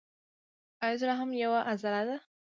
ایا زړه هم یوه عضله ده